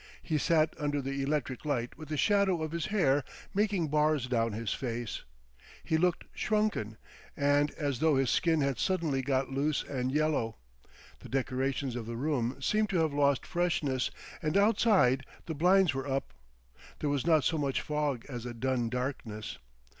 He sat under the electric light with the shadow of his hair making bars down his face. He looked shrunken, and as though his skin had suddenly got loose and yellow. The decorations of the room seemed to have lost freshness, and outside the blinds were up—there was not so much fog as a dun darkness.